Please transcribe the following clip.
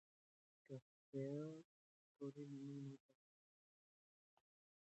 که پېیر کوري د نوې ماده تحلیل ونه کړي، پایله به ناقصه وي.